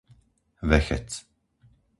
Vechec